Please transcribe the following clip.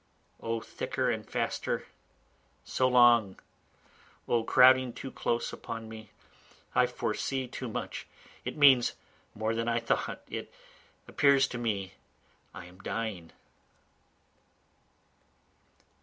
O thicker and faster (So long!) O crowding too close upon me, I foresee too much, it means more than I thought, It appears to me I am dying.